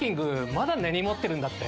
まだ根に持ってるんだって？